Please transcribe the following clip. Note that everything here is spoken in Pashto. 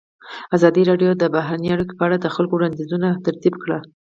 ازادي راډیو د بهرنۍ اړیکې په اړه د خلکو وړاندیزونه ترتیب کړي.